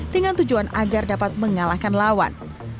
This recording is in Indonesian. dengan tujuan agar dapat mengalahkan lawan